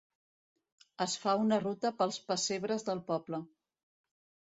Es fa una ruta pels pessebres del poble.